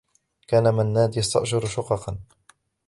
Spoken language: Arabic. كان منّاد يستأجر شققا.